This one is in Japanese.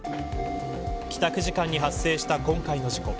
帰宅時間に発生した今回の事故。